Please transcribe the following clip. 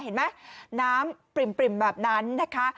เห็นไหมน้ำปริ่มแบบนั้นนะคะ